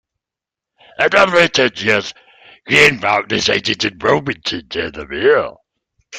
In her later years Greenewalt resided in Wilmington, Delaware.